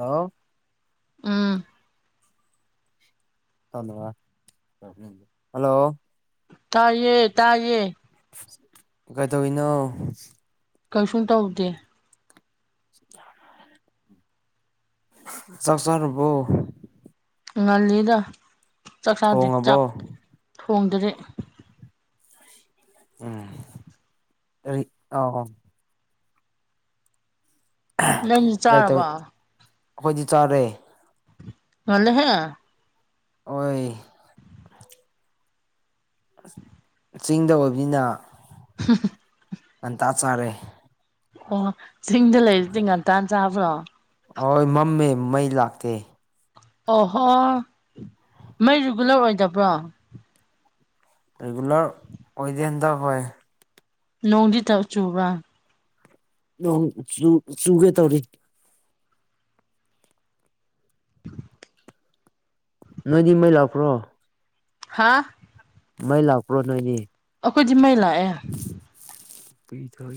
Hello ꯎꯝ hello ꯇꯥꯏꯌꯦ ꯇꯥꯏꯌꯦ ꯀꯩꯗꯧꯋꯤꯅꯣ ꯀꯩꯁꯨꯝ ꯇꯧꯗꯦ ꯆꯥꯛ ꯆꯥꯔꯕꯣ ꯉꯜꯂꯤꯗ ꯆꯥꯛꯆꯥꯥꯗꯤ ꯆꯥꯛ ꯊꯣꯡꯉꯕꯣ ꯊꯣꯡꯗꯔꯤ ꯎꯝ ꯔꯤ ꯑꯣ ꯅꯪꯗꯤ ꯒꯩꯇꯧ ꯆꯥꯔꯕꯣ ꯑꯩꯈꯣꯏꯗꯤ ꯆꯥꯔꯦ ꯉꯜꯂꯦꯍꯦ ꯑꯣꯏ ꯆꯤꯡꯗ ꯑꯣꯏꯕꯅꯤꯅ ꯍꯥ ꯍꯥ ꯉꯟꯇꯥ ꯆꯥꯔꯦ ꯑꯣ ꯆꯤꯡꯗ ꯂꯩꯔꯗꯤ ꯉꯟꯇꯥꯟ ꯆꯥꯕ꯭ꯔꯣ ꯍꯣꯏ ꯃꯝꯃꯦ ꯃꯩ ꯂꯥꯛꯇꯦ ꯑꯣꯍꯣ ꯃꯩ ꯔꯤꯒꯨꯂꯔ ꯑꯣꯏꯗꯕ꯭ꯔꯣ ꯑꯩꯒꯂꯣ ꯑꯣꯗꯦꯟꯗ ꯍ ꯅꯣꯡꯗꯤ ꯇꯧ ꯆꯨꯕ ꯅꯣꯡ ꯆꯨꯒꯦ ꯇꯧꯔꯤ 'inaudible' ꯅꯣꯏꯗꯤ ꯃꯩ ꯂꯥꯛꯄ꯭ꯔꯣ ꯍꯥꯥ ꯃꯩ ꯂꯥꯛꯄ꯭ꯔꯣ ꯅꯣꯏꯗꯤ ꯑꯣꯈꯣꯏꯗꯤ ꯃꯩ ꯂꯥꯛꯑꯦ ꯑꯩ ꯊ ꯎꯝ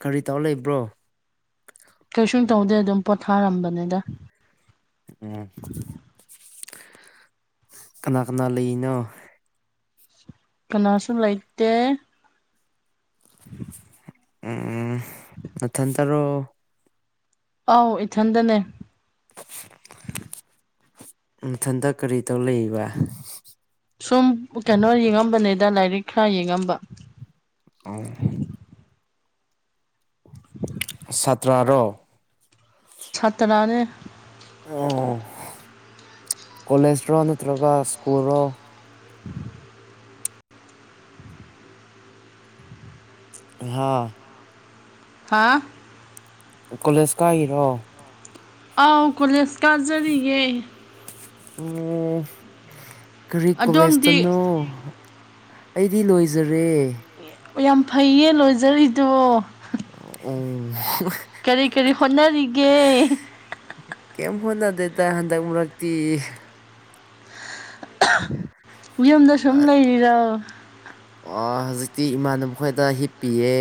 ꯀꯔꯤ ꯇꯧ ꯂꯩꯕ꯭ꯔꯣ ꯀꯩꯁꯨ ꯇꯧꯗꯦ ꯑꯗꯨꯝ ꯄꯣꯊꯥꯔꯝꯕꯅꯤꯗ ꯎꯝ ꯀꯅꯥ ꯀꯅꯥ ꯂꯩꯅꯣ ꯀꯅꯥꯁꯨꯨ ꯂꯩꯇꯦ [inaudible] ꯎꯝ ꯅꯊꯟꯇꯔꯣ ꯑꯥꯎ ꯏꯊꯟꯗꯅꯦ ꯅꯊꯟꯇ ꯀꯔꯤ ꯇꯧ ꯂꯩꯔꯤꯕ ꯁꯨꯝ ꯀꯩꯅꯣ ꯌꯦꯡꯉꯝꯕꯅꯦꯗ ꯂꯥꯏꯔꯤꯛ ꯈ꯭ꯔꯥ ꯌꯦꯡꯉꯝꯕ ꯑꯧ ꯁꯥꯇ꯭ꯔꯔꯣ ꯁꯥꯠꯇ꯭ꯔꯥꯅꯦ ꯑꯣ ꯀꯣꯂꯦꯖꯔꯣ ꯅꯠꯇ꯭ꯔꯒ ꯁ꯭ꯀꯨꯜ ꯔꯣ 'inaudible' ꯍꯥ ꯍꯥꯥ ꯀꯣꯂꯦꯖ ꯀꯥꯏꯔꯣ ꯑꯧ ꯀꯣꯂꯦꯁ ꯀꯥꯖꯔꯤꯌꯦ ꯑꯣ ꯀꯔꯤ ꯑꯗꯣꯝꯗꯤ ꯀꯣꯂꯦꯖꯇꯅꯣ ꯑꯩꯗꯤ ꯂꯣꯏꯖꯔꯦ ꯑꯣ ꯌꯥꯝ ꯐꯩꯌꯦ ꯂꯣꯏꯖꯔꯤꯗꯣ ꯎꯝ ꯀꯔꯤ ꯀꯔꯤ ꯍꯣꯠꯅꯔꯤꯒꯦ ꯀꯦꯝ ꯐꯣꯟꯅꯗꯦꯗ ꯍꯟꯗꯛ ꯃꯔꯛꯇꯤ ꯌꯨꯝꯗ ꯁꯨꯝ ꯂꯩꯔꯤꯔꯣ ꯑꯣ ꯍꯧꯖꯤꯛꯇꯤ ꯏꯃꯥꯟꯅꯕ ꯈꯣꯏꯗ ꯍꯤꯞꯄꯤꯌꯦ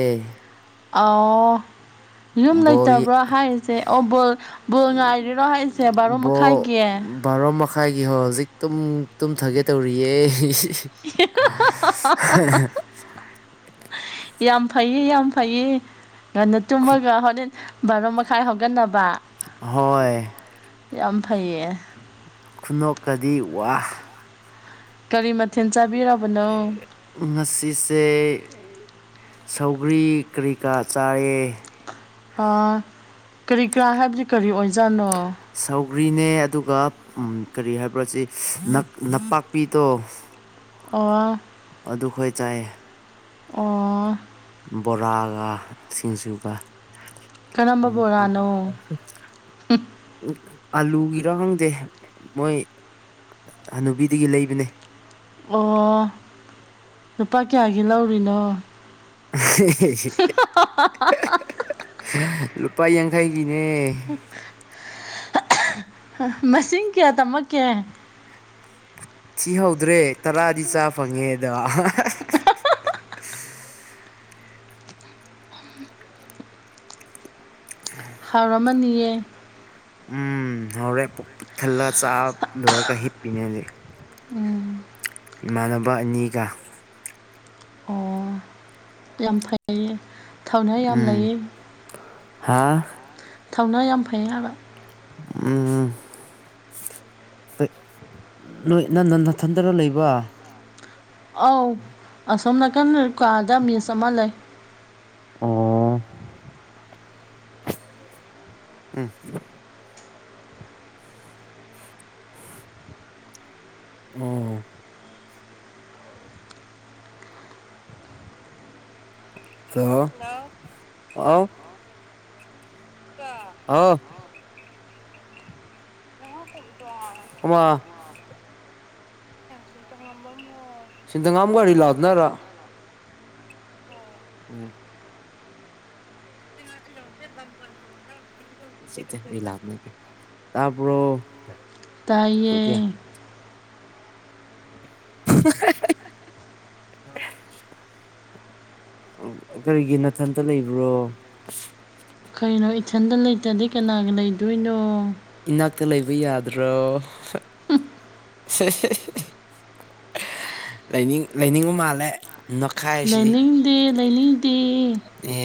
ꯌꯨꯝ ꯕꯣꯜ ꯂꯩꯇꯕ꯭ꯔꯥ ꯍꯥꯏꯔꯤꯁꯦ ꯑꯣ ꯕꯣꯜ ꯕꯣꯜ ꯉꯥꯏꯔꯤꯔꯣ ꯍꯥꯏꯁꯦ ꯕꯥꯔꯣ ꯕꯣꯜ ꯃꯈꯥꯏꯒꯤ ꯕꯥꯔꯣ ꯃꯈꯥꯏꯒꯤ ꯍꯣ ꯍꯧꯖꯤꯛ ꯇꯨꯝ ꯇꯨꯝꯊꯒꯦ ꯇꯧꯔꯤꯌꯦ [unintelligible] ꯌꯥꯝ ꯐꯩꯌꯦ ꯌꯥꯝ ꯐꯩꯌꯦ ꯉꯟꯅ ꯇꯨꯝꯃꯒ ꯍꯣꯔꯦꯟ ꯕꯥꯔꯣ ꯃꯈꯥꯏ ꯍꯧꯒꯠꯅꯕ ꯍꯣꯏ ꯍꯣꯏ ꯌꯥꯝ ꯐꯩꯌꯦ ꯈꯨꯅꯣꯛꯀꯗꯤ ꯋꯥ ꯀꯔꯤ ꯃꯊꯦꯜ ꯆꯥꯕꯤꯔꯕ [unintelligible] ꯉꯁꯤꯁꯦ ꯁꯧꯒ꯭ꯔꯤ ꯀꯔꯤ ꯀꯥ ꯆꯥꯏꯌꯦ ꯀꯔꯤ ꯀꯔꯥ ꯍꯥꯏꯕꯗꯤ ꯀꯔꯤ ꯑꯣꯏꯖꯥꯠꯅꯣ ꯁꯧꯒ꯭ꯔꯤꯅꯦ ꯑꯗꯨꯒ ꯎꯝ ꯀꯔꯤ ꯍꯥꯏꯕ꯭ꯔꯣ ꯁꯤ ꯅꯄꯥꯛꯄꯤꯗꯣ ꯑꯣ ꯑꯗꯨꯈꯣꯏ ꯆꯥꯏꯌꯦ ꯑꯣ ꯕꯣꯔꯥꯒ ꯁꯤꯡꯖꯨꯒ ꯀꯔꯝꯕ ꯕꯣꯔꯥꯅꯣ [unintelligible] ꯑꯂꯨꯒꯤꯔꯥ ꯈꯪꯗꯦ ꯃꯣꯏ ꯍꯅꯨꯕꯤꯗꯒꯤ ꯂꯩꯕꯅꯦ ꯑꯣ ꯂꯨꯄꯥ ꯀꯌꯥꯒꯤ ꯂꯧꯔꯤꯅꯣ [unintelligible] ꯂꯨꯄꯥ ꯌꯥꯡꯈꯩꯒꯤꯅꯦ [unintelligible] ꯃꯁꯤꯡ ꯀꯌꯥ ꯇꯝꯃꯛꯀꯦ ꯊꯤꯍꯧꯗ꯭ꯔꯦ ꯇꯔꯥꯗꯤ ꯆꯥ ꯐꯪꯉꯦ ꯑꯗꯣ ꯍꯥꯎꯔꯝꯃꯅꯤꯌꯦ ꯎꯝ ꯍꯔꯦꯤꯛ ꯊꯜꯂꯒ ꯆꯥ ꯂꯣꯏꯔꯒ ꯍꯤꯞꯄꯤꯅꯦ ꯍꯧꯖꯤꯛ ꯎꯝ ꯏꯃꯥꯟꯅꯕ ꯑꯅꯤꯒ ꯑꯣ ꯌꯥꯝ ꯐꯩꯌꯦ ꯊꯧꯅꯥ ꯌꯥꯝ ꯎꯝ ꯂꯩꯌꯦ ꯍꯥ ꯊꯧꯅ ꯌꯥꯝ ꯐꯩ ꯍꯥꯏꯕ ꯎꯝ ꯑꯩꯠ ꯂꯣꯏ ꯅꯟ ꯅꯟ ꯅꯊꯟꯇꯔꯥ ꯂꯩꯕ ꯑꯧ ꯑꯁꯣꯝ ꯅꯥꯀꯟ ꯀꯥꯗ ꯃꯤꯁ ꯑꯃ ꯂꯩ ꯑꯣ ꯎꯝ ꯑꯣ ꯑ ꯑꯥꯎ ꯑꯥꯎ [unintelligible] ꯑꯃ ꯁꯤꯗꯉꯥꯝ ꯒꯥꯔꯤ ꯂꯥꯛꯅꯔꯥ ꯎꯝ [unintelligible] ꯁꯤꯇ ꯍ ꯂ ꯇꯥꯕꯔꯣ ꯇꯥꯏꯌꯦ [unintelligible] ꯀꯔꯤꯒꯤ ꯅꯊꯟꯇ ꯂꯩꯕ꯭ꯔꯣ ꯀꯩꯅꯣ ꯏꯊꯟꯗ ꯂꯩꯇꯗꯤ ꯀꯅꯥꯒ ꯂꯩꯗꯣꯏꯅꯣ꯫ ꯏꯅꯥꯛꯇ ꯂꯩꯕ ꯌꯥꯗ꯭ꯔꯣ ꯂꯩꯅꯤꯡ ꯂꯩꯅꯤꯡ ꯃꯥꯜꯂꯦ ꯅꯈꯥꯏꯁꯤꯗꯤ ꯂꯩꯅꯤꯡꯗꯦ ꯂꯩꯅꯤꯡꯗꯤ ꯑ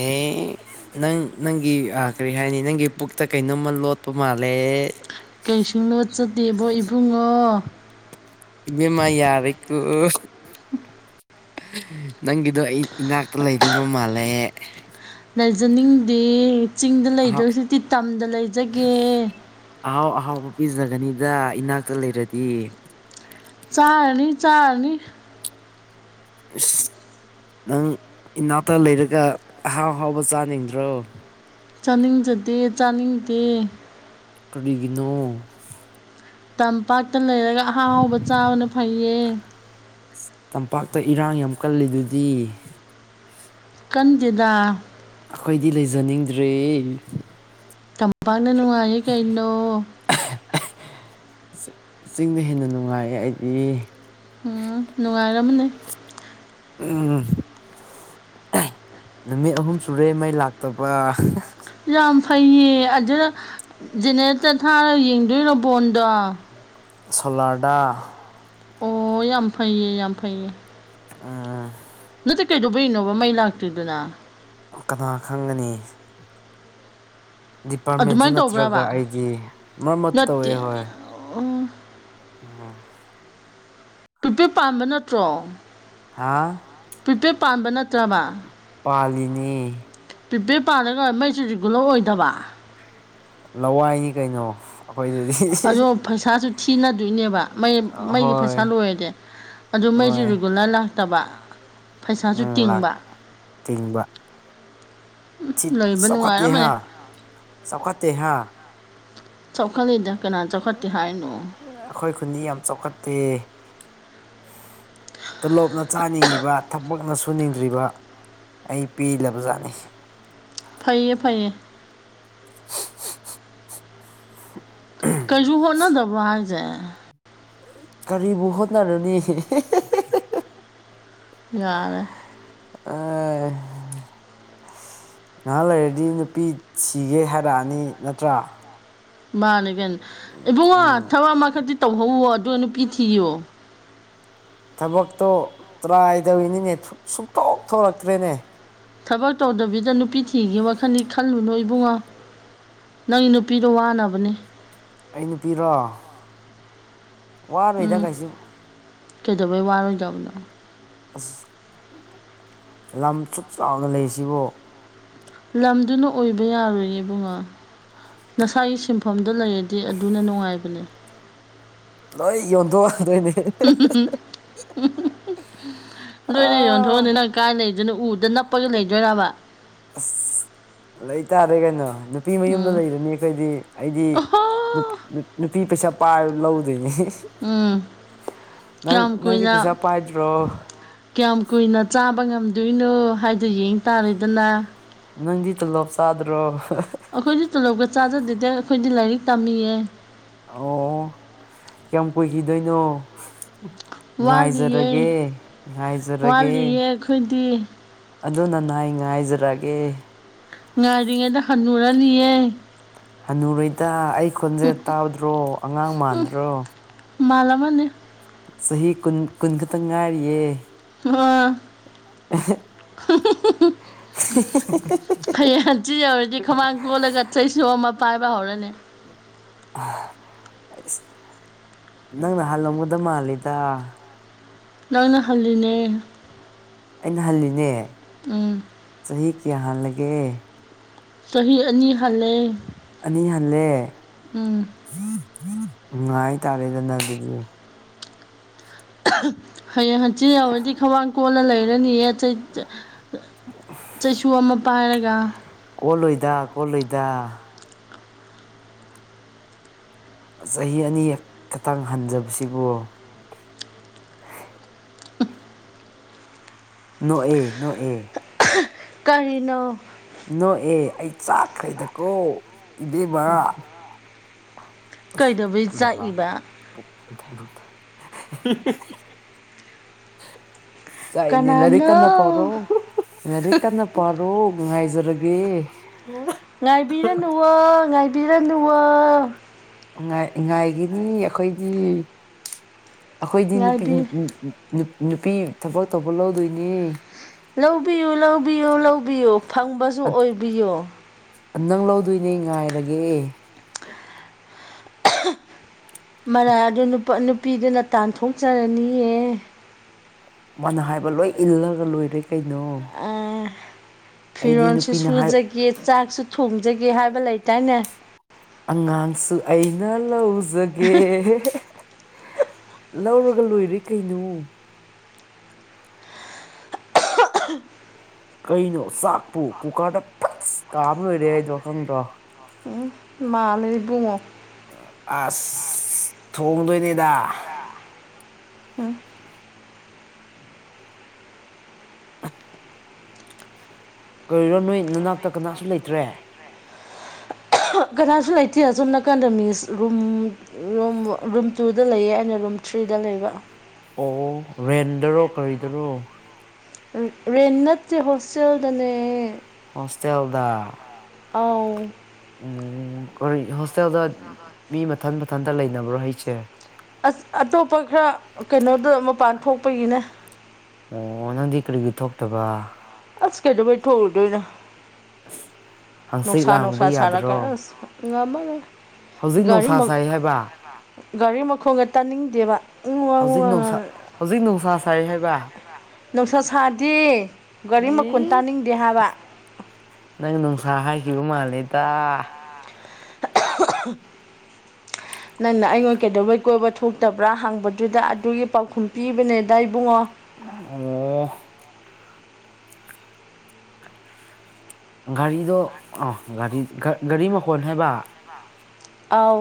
ꯅꯪ ꯅꯪꯒꯤ ꯀꯔꯤ ꯍꯥꯏꯅꯤ ꯅꯪꯒꯤ ꯄꯨꯛꯇ ꯀꯩꯅꯣꯝꯃ ꯂꯣꯠꯄ ꯃꯥꯜꯂꯦ ꯀꯩꯁꯨ ꯂꯣꯠꯆꯗꯦꯕꯣ ꯏꯕꯨꯡꯉꯣ ꯕ ꯃꯥꯏ ꯌꯥꯔꯩ ꯀ ꯅꯪꯒꯤꯗꯣ ꯑꯩ ꯏꯅꯥꯛꯇ ꯂꯩꯅꯤꯡꯕ ꯃꯥꯜꯂꯦ ꯂꯩꯖꯅꯤꯡꯗꯦ ꯆꯤꯡꯗ ꯑꯍꯥꯎ ꯂꯩꯗꯣꯏꯁꯨꯛꯇꯤ ꯇꯝꯗ ꯂꯩꯖꯒꯦ ꯑꯍꯥꯎ ꯑꯍꯥꯎꯕ ꯄꯤꯖꯒꯅꯤꯗ ꯏꯅꯥꯛꯇ ꯂꯩꯔꯗꯤ ꯆꯥꯅꯤ ꯆꯥꯅꯤ ꯑꯁ ꯅꯪ ꯏꯅꯥꯛꯇ ꯂꯩꯔꯒ ꯑꯍꯥꯎ ꯑꯍꯥꯎꯕ ꯆꯥꯅꯤꯡꯗ꯭ꯔꯣ ꯆꯥꯅꯤꯡꯖꯗꯦ ꯆꯥꯅꯤꯡꯗꯦ ꯀꯔꯤꯒꯤꯅꯣ ꯇꯝꯄꯥꯛꯇ ꯂꯩꯔꯒ ꯑꯍꯥꯎ ꯑꯍꯥꯎꯕ ꯆꯥꯕꯅ ꯐꯩꯌꯦ ꯏꯁ ꯇꯝꯄꯥꯛꯇ ꯏꯔꯥꯡ ꯌꯥꯝ ꯀꯜꯂꯤꯗꯨꯗꯤ ꯀꯟꯗꯦꯗ ꯑꯈꯣꯏꯗꯤ ꯂꯩꯖꯅꯤꯡꯗ꯭ꯔꯦ ꯇꯝꯄꯥꯛꯅ ꯅꯨꯡꯉꯥꯏꯌꯦ ꯀꯩꯅꯣ ꯆ ꯆꯤꯡꯅ ꯍꯦꯟꯅ ꯅꯨꯡꯉꯥꯏꯌꯦ ꯑꯩꯗꯤ ꯎꯝ ꯅꯨꯡꯉꯥꯏꯔꯝꯃꯅꯤ ꯑ ꯅꯨꯃꯤꯠ ꯑꯍꯨꯝ ꯁꯨꯔꯦ ꯃꯩ ꯂꯥꯛꯇꯕ ꯌꯥꯝ ꯐꯩꯌꯦ ꯑꯗꯨꯗ ꯖꯦꯅꯦꯔꯦꯇꯔ ꯊꯥꯔꯒ ꯌꯦꯡꯗꯣꯏꯅꯣ ꯕꯣꯟꯗꯣ ꯁꯣꯂꯥꯔꯗꯥ ꯑꯣ ꯌꯥꯝ ꯐꯩꯌꯦ ꯌꯥꯝ ꯐꯩꯌꯦ ꯎꯝ ꯅꯠꯇꯦ ꯀꯩꯗꯧꯕꯒꯤꯅꯣꯕ ꯃꯩ ꯂꯥꯛꯇ꯭ꯔꯤꯗꯨꯅ ꯀꯅꯥ ꯈꯪꯒꯅꯤ ꯗꯤꯄꯥꯔꯠꯃꯦꯟꯁꯦ ꯑꯗꯨꯃꯥꯏ ꯅꯠꯇ꯭ꯔꯒ ꯇꯧꯕ꯭ꯔꯕ? ꯑꯩꯗꯤ ꯃꯔꯛ ꯃꯔꯛꯇ ꯇꯧꯋꯦ ꯅꯠꯇꯦ ꯍꯣꯏ ꯑꯣ [unintelligible] ꯄꯤꯄꯦꯠ ꯄꯥꯟꯕ ꯅꯠꯇ꯭ꯔꯣ ꯍꯥꯥ ꯄ꯭ꯔꯤꯄꯦꯗ ꯄꯥꯟꯕ ꯅꯠꯇ꯭ꯔꯕ ꯄꯥꯜꯂꯤꯅꯤ ꯄꯤꯄꯦ ꯄꯥꯜꯂꯒ ꯃꯩꯁꯨ ꯔꯤꯒꯨꯂꯔ ꯑꯣꯏꯗꯕ ꯂꯋꯥꯏꯅꯤ ꯀꯩꯅꯣ ꯑꯩꯈꯣꯏꯗꯗꯤ ꯑꯗꯣ ꯄꯩꯁꯥꯁꯨ ꯊꯤꯅꯗꯣꯏꯅꯦꯕ ꯃꯩ ꯃꯩꯒꯤ ꯍꯣꯏ ꯄꯩꯁꯥ ꯂꯣꯏꯔꯗꯤ ꯑꯗꯨ ꯃꯩꯁꯨ ꯍꯣꯏ ꯔꯤꯒꯨꯂꯔ ꯂꯥꯛꯇꯕ ꯄꯩꯁꯥꯁꯨ ꯎꯝ ꯂꯥꯛ ꯇꯤꯡꯕ ꯇꯤꯡꯕ ꯂꯩꯕ ꯆꯥꯎꯈꯠꯇꯦ ꯍꯥ ꯅꯨꯡꯉꯥꯏꯔꯝꯃꯅꯤ ꯆꯥꯎꯧꯈꯠꯇꯦ ꯍꯥ ꯆꯥꯎꯈꯠꯂꯤꯗ ꯀꯅꯥꯅ ꯆꯥꯎꯈꯠꯇꯦ ꯍꯥꯏꯅꯣ ꯑꯩꯈꯣꯏ ꯈꯨꯟꯗꯤ ꯌꯥꯝ ꯆꯥꯎꯈꯠꯇꯦ ꯇꯂꯣꯞꯅ ꯆꯥꯅꯤꯡꯉꯤꯕ ꯊꯕꯛꯅ ꯁꯨꯅꯤꯡꯗ꯭ꯔꯤꯕ ꯑꯩ ꯄꯦꯜꯂꯕꯖꯥꯠꯅꯤ ꯐꯩꯌꯦ ꯐꯩꯌꯦ [inaudible] ꯀꯩꯁꯨ ꯍꯣꯠꯅꯗꯕ ꯍꯥꯏꯁꯦ ꯀꯔꯤꯕꯨ ꯍꯣꯠꯅꯔꯅꯤ ꯌꯥꯔꯦ ꯑꯏ ꯅꯍꯥꯛ ꯂꯩꯔꯗꯤ ꯅꯨꯄꯤ ꯁꯤꯒꯦ ꯍꯥꯏꯔꯛꯑꯅꯤ ꯅꯠꯇ꯭ꯔꯥ ꯃꯥꯅꯦ ꯀꯅꯤ ꯏꯕꯨꯡꯉꯣ ꯎꯝ ꯊꯕꯛ ꯑꯃꯈꯛꯇꯤ ꯇꯧꯍꯧꯋꯣ ꯑꯗꯨꯒ ꯅꯨꯄꯤ ꯊꯤꯌꯣ ꯊꯕꯛꯇꯣ ꯇ꯭ꯔꯥꯏ ꯇꯧꯔꯤꯅꯤꯅꯦ ꯁꯨꯡꯇꯣꯛ ꯊꯣꯔꯛꯇ꯭ꯔꯦꯅꯦ ꯊꯕꯛ ꯇꯧꯗꯕꯤꯗ ꯅꯨꯄꯤ ꯊꯤꯒꯤ ꯋꯥꯈꯜꯗꯤ ꯈꯜꯂꯨꯅꯨ ꯏꯕꯨꯡꯉꯣ ꯅꯪꯒꯤ ꯅꯨꯄꯤꯗꯣ ꯋꯥꯅꯕꯅꯦ ꯑꯩ ꯅꯨꯄꯤꯔꯣ ꯋꯥꯔꯣꯏꯗꯪ ꯀꯩꯁꯨ ꯀꯩꯗꯕꯩ ꯋꯥꯔꯣꯖꯎꯕꯗ ꯑꯁ ꯂꯝ ꯁꯨꯞ ꯆꯥꯎꯅ ꯂꯩꯔꯤꯁꯤꯕꯨ ꯂꯝꯗꯨꯅ ꯑꯣꯏꯕ ꯌꯥꯔꯣꯏꯅꯦꯕꯨꯡꯉꯥ ꯉꯁꯥꯏꯒꯤ ꯁꯤꯝ ꯃꯐꯝꯗ ꯂꯩꯔꯗꯤ ꯑꯗꯨꯅ ꯅꯨꯡꯉꯥꯏꯕꯅꯦ ꯂ ꯌꯗ ꯋꯥꯗꯅꯦ ꯎ ꯂꯣꯏꯅ ꯑꯥ ꯌꯣꯟꯊꯣꯛꯑꯅꯤ ꯀꯥꯏꯗ ꯂꯩꯗꯣꯏꯅꯣ ꯎꯗ ꯅꯞꯄꯒ ꯂꯩꯗꯣꯏꯔꯕ ꯑꯁ ꯂꯩꯇꯥꯥꯔꯦ ꯀꯩꯅꯣ ꯅꯨꯄꯤ ꯃꯌꯨꯝꯗ ꯎꯝ ꯂꯩꯔꯅꯤ ꯑꯩꯈꯣꯏꯗꯤ ꯑꯩꯗꯤ ꯑꯣꯍꯣ ꯅꯨꯄꯤ ꯄꯩꯁꯥ ꯄꯥꯏꯔ ꯂꯧꯗꯣꯏꯅꯦ ꯎꯝ ꯅꯪ ꯀꯌꯥꯝ ꯅꯪꯗꯤ ꯀꯨꯏꯅ ꯄꯩꯁꯥ ꯄꯥꯏꯗ꯭ꯔꯣ ꯀꯌꯥꯝ ꯀꯨꯏꯅ ꯆꯥꯕ ꯉꯝꯗꯣꯏꯅꯣ ꯍꯥꯏꯗꯣ ꯌꯦꯡ ꯇꯥꯔꯦꯗꯅ ꯅꯪꯗꯤ ꯇꯂꯣꯞ ꯆꯥꯗ꯭ꯔꯣ ꯑꯩꯈꯣꯏꯗꯤ ꯇꯣꯂꯣꯞꯀ ꯆꯥꯗꯗꯗ ꯑꯩꯈꯣꯏꯗꯤ ꯂꯥꯏꯔꯤꯛ ꯇꯥꯃꯤꯌꯦ ꯑꯣ ꯀꯌꯥꯝ ꯀꯨꯏꯈꯤꯗꯣꯏꯅꯣ ꯉꯥꯏꯖꯔꯒꯦ ꯋꯥꯠꯂꯤꯌꯦ ꯉꯥꯏꯖꯔꯒꯦ ꯑꯩ ꯈꯣꯏꯗꯤ ꯑꯗꯨ ꯅ ꯅ ꯑꯩ ꯉꯥꯏꯖꯔꯒꯦ ꯉꯥꯏꯔꯤꯉꯩꯗ ꯍꯟꯟꯅꯨꯔꯅꯤꯌꯦ ꯍꯅꯨꯔꯣꯏꯇꯥ ꯑꯩ ꯈꯣꯟꯖꯦꯜ ꯇꯥꯗ꯭ꯔꯣ ꯑꯉꯥꯡ ꯃꯥꯟꯗ꯭ꯔꯣ ꯃꯥꯂ ꯑꯃꯅ ꯆꯍꯤ ꯀꯨꯟ ꯀꯨꯟ ꯈꯛꯇꯪ ꯉꯥꯏꯔꯤꯌꯦ ꯋꯥ ꯍꯌꯦꯡꯆꯤ ꯌꯧꯔꯗꯤ ꯈꯃꯥꯡ ꯀꯣꯜꯂꯒ ꯆꯩꯁꯨ ꯑꯃ ꯄꯥꯏꯕ ꯍꯧꯔꯅꯤ ꯑꯁ ꯅꯪꯅ ꯍꯜꯂꯝꯒꯗ ꯃꯥꯜꯂꯤꯦꯗ ꯅꯪꯅ ꯍꯜꯂꯤꯅꯦ ꯑꯩꯅ ꯍꯜꯂꯤꯅꯦ ꯎꯝ ꯆꯍꯤ ꯀꯌꯥ ꯍꯜꯂꯒꯦ ꯆꯍꯤ ꯑꯅꯤ ꯍꯜꯂꯦ ꯑꯅꯤ ꯍꯜꯂꯦ ꯎꯝ ꯎꯝ ꯍꯥꯏꯇꯥꯔꯦꯗꯅ ꯑꯗꯨꯗꯤ ꯍꯌꯦꯡ ꯍꯪꯆꯤꯠ ꯌꯥꯧꯔꯗꯤ ꯈꯋꯥꯡ ꯀꯣꯟꯜꯂ ꯂꯩꯔꯅꯤꯌꯦ ꯆꯩꯁꯨ ꯑꯃ ꯄꯥꯏꯔꯒ ꯀꯣꯜꯂꯣꯏꯗ ꯀꯣꯜꯂꯣꯏꯗ ꯆꯍꯤ ꯑꯅꯤ ꯈꯇꯪ ꯍꯟꯖꯕꯁꯤꯕꯨ ꯅꯑ ꯅꯑ ꯀꯔꯤꯅꯣ ꯅꯣꯛꯑ ꯑꯩ ꯆꯥꯛꯈ꯭ꯔꯦꯗꯀꯣ ꯏꯕꯦꯝꯕ ꯀꯩꯗꯧꯕꯩ ꯨꯕ ꯆꯥꯛꯏꯕ ꯄ ꯊ ꯊ ꯆꯥꯏꯅꯦ ꯂꯔꯤ ꯀꯅꯥꯅꯣ ꯀꯟꯅ ꯄꯔꯣ ꯂꯥꯏꯔꯛ ꯀꯟꯅ ꯄꯥꯔꯣ ꯉꯉꯥꯏꯖꯔꯒꯦ ꯉꯥꯏꯕꯤꯔ ꯉ ꯉꯥꯏꯕꯤꯔ ꯉ ꯉꯥꯏꯒꯤꯅꯤ ꯑꯩꯈꯣꯏꯗꯤ ꯑꯩꯈꯣꯏꯗꯤ ꯅꯨꯄꯤ ꯉꯥꯏꯕꯤ ꯅꯨꯄꯤ ꯊꯕꯛ ꯇꯧꯕ ꯂꯧꯗꯣꯏꯅꯦ ꯂꯧꯕꯤꯌꯨ ꯂꯧꯕꯤꯌꯨ ꯂꯧꯕꯤꯌꯨ ꯐꯪꯕꯁꯨ ꯑꯣꯏꯕꯤꯌꯣ ꯅꯪ ꯂꯧꯗꯣꯏꯅꯦ ꯉꯥꯏꯔꯒꯦ ꯃꯔꯥ ꯑꯗꯨ ꯅꯨꯄꯤꯗꯨꯅ ꯇꯥꯟꯊꯣꯛꯆꯔꯅꯤꯌꯦ ꯃꯅ ꯍꯥꯏꯕ ꯂꯣꯏ ꯏꯜꯂꯒ ꯂꯣꯏꯔꯦ ꯀꯩꯅꯣ ꯑꯩꯗꯤ ꯐꯤꯔꯣꯁꯨ ꯅꯨꯄꯤꯅ ꯍꯥꯏ ꯁꯨꯖꯒꯦ ꯆꯥꯛꯁꯨ ꯊꯣꯡꯖꯒꯦ ꯍꯥꯏꯕ ꯂꯩꯇꯥꯏꯅꯦ ꯑꯉꯥꯡꯁꯨ ꯑꯩꯅ ꯂꯧꯖꯒꯦ ꯂꯧꯔꯒ ꯂꯣꯏꯔꯦ ꯀꯩꯅꯣ ꯀꯩꯅꯣ ꯆꯥꯛꯄꯨ ꯀꯨꯀꯔꯗ ꯐꯁ ꯀꯥꯝꯃ ꯂꯣꯏꯔꯦ ꯍꯥꯏꯗꯣ ꯈꯪꯗ꯭ꯔꯣ ꯎꯝ ꯃꯥꯅ ꯉꯣ ꯑꯁ ꯊꯣꯡꯗꯣꯏꯅꯦꯗ ꯎꯝ ꯀꯔꯤꯔꯣ ꯅꯣꯏ ꯅꯅꯥꯛꯇ ꯀꯅꯥꯁꯨ ꯂꯩꯇ꯭ꯔꯦ ꯀꯅꯥꯁꯨ ꯂꯩꯇꯦ ꯑꯁꯣꯝ ꯅꯥꯀꯟꯗ ꯃꯤꯁ ꯔꯨꯝ ꯔꯨꯝ ꯔꯨꯝ ꯇꯨꯗ ꯂꯩꯌꯦ ꯑꯩꯅ ꯔꯨꯝ ꯊ꯭ꯔꯤꯗ ꯂꯩꯕ ꯑꯣ ꯔꯦꯟꯗꯔꯣ ꯀꯔꯤꯗꯔꯣ ꯔꯦ ꯅꯠꯇꯦ ꯍꯣꯁꯇꯦꯜꯗꯅꯦ ꯍꯣꯁꯇꯦꯜꯗ ꯑꯥꯎ ꯎꯝ ꯍꯣꯁꯇꯦꯜꯗ ꯃꯤ ꯃꯊꯟ ꯃꯊꯟꯇ ꯂꯩꯅꯕ꯭ꯔꯣ ꯍꯩꯁꯦ ꯑꯁ ꯑꯇꯣꯞꯄ ꯈꯔ ꯀꯩꯅꯣꯗ ꯃꯄꯥꯟ ꯊꯣꯛꯄꯒꯤꯅꯦ ꯑꯣ ꯅꯪꯗꯤ ꯀꯔꯤꯒꯤ ꯊꯣꯛꯇꯕ ꯑꯁ ꯀꯩꯗꯣꯩ ꯊꯣꯛꯎꯗꯅ ꯁꯤ ꯅꯅꯨꯡꯁꯥ ꯅꯨꯡꯁꯁꯥ ꯁꯥꯔ ꯀꯁꯤ ꯉꯝꯃꯒ ꯍꯧꯖꯤꯛ ꯒꯥꯔꯤ ꯅꯨꯡꯁꯥ ꯃ ꯁꯥꯏ ꯍꯥꯏꯕ ꯒꯥꯔꯤ ꯃꯈꯣꯡꯒ ꯇꯥꯅꯤꯡꯗꯦꯕ ꯍꯧꯖꯤꯛ ꯅꯨꯡꯁꯥ ꯍꯧꯖꯤꯛ ꯅꯨꯡꯁꯥ ꯁꯥꯏ ꯍꯥꯏꯕ ꯅꯨꯡꯁꯥ ꯁꯥꯔꯗꯤ ꯒꯥꯔꯤ ꯃꯈꯨꯜ ꯑꯦ ꯇꯥꯅꯤꯡꯗꯦ ꯍꯥꯏꯕ ꯅꯪ ꯅꯨꯡꯁꯥ ꯍꯥꯏꯈꯤꯕ ꯃꯥꯜꯂꯦꯗ [unintelligible] [unintelligible] ꯅꯪꯅ ꯑꯩꯉꯣꯟ ꯀꯩꯗꯧꯕꯩ ꯀꯣꯏꯕ ꯊꯣꯛꯇꯕ꯭ꯔꯥ ꯍꯥꯡꯕꯗꯨꯗ ꯑꯗꯨꯒꯤ ꯄꯥꯎꯈꯨꯝ ꯄꯤꯕꯅꯦꯗ ꯏꯕꯨꯡꯉꯣ ꯑꯣ ꯑꯣ ꯒꯥꯔꯤꯗꯣ ꯑꯥꯒꯥꯔꯤ ꯒꯥꯔꯤ ꯃꯈꯣꯟ ꯍꯥꯏꯕ [unintelligible] ꯑꯥꯎ